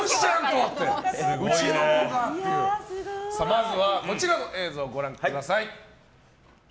まずは、こちらの映像をご覧ください。